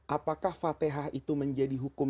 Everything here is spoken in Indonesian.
apakah fatihah itu menjadi hukum